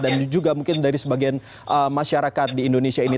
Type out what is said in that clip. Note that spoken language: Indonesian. dan juga mungkin dari sebagian masyarakat di indonesia ini